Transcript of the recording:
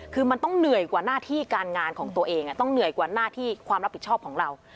คือมันต้องเหนื่อยกว่าหน้าที่การงานของตัวเองต้องเหนื่อยกว่าหน้าที่ความรับผิดชอบของเรา